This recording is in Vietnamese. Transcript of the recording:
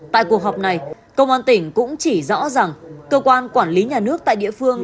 tại cuộc họp này công an tỉnh cũng chỉ rõ rằng cơ quan quản lý nhà nước tại địa phương